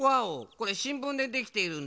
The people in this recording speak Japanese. これしんぶんでできているんだ？